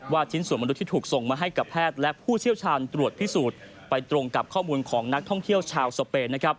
ชิ้นส่วนมนุษย์ที่ถูกส่งมาให้กับแพทย์และผู้เชี่ยวชาญตรวจพิสูจน์ไปตรงกับข้อมูลของนักท่องเที่ยวชาวสเปน